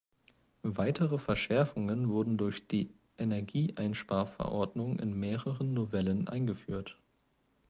Weitere Verschärfungen wurden durch die Energieeinsparverordnung in mehreren Novellen eingeführt.